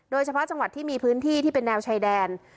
โดยเฉพาะจังหวัดที่มีพื้นที่ที่เป็นแนวชายแดน